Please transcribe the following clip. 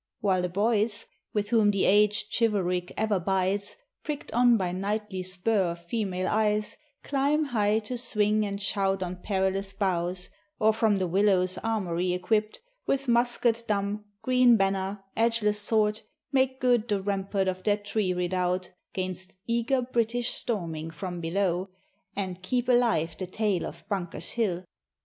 while the boys, With whom the age chivalric ever bides, Pricked on by knightly spur of female eyes, Climb high to swing and shout on perilous boughs, Or, from the willow's armory equipped With musket dumb, green banner, edgeless sword, Make good the rampart of their tree redoubt 'Gainst eager British storming from below, And keep alive the tale of Bunker's Hill.